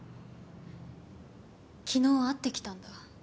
昨日会ってきたんだ。